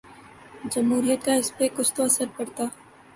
جمہوریت کا اس پہ کچھ تو اثر پڑتا۔